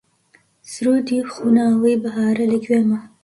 سروودی خوناوەی بەهارە لە گوێما